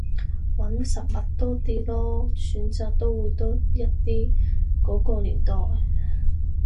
玩實物多啲囉，選擇都會多一啲，嗰個年代